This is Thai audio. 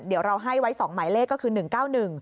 เดี๋ยวเราให้ไว้สองหมายเลขก็คือ๑๙๑